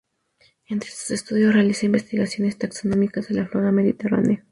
Entre sus estudios realiza investigaciones taxonómicas de la flora mediterránea.